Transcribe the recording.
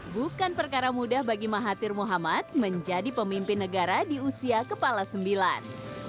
bukan perkara mudah bagi mahathir muhammad menjadi pemimpin negara di usia kepala sembilan